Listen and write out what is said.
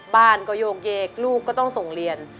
บ้านก็โยกเยกลูกก็ต้องส่งเรียน